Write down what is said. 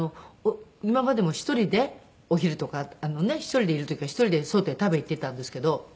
今までも１人でお昼とか１人でいる時は１人で外へ食べに行っていたんですけど。